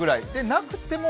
なくても？